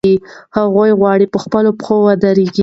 هغوی غواړي په خپلو پښو ودرېږي.